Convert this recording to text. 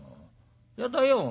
やだよ。